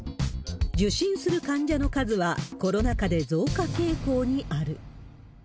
受診する患者の数は、コロナ禍で増加傾向にある。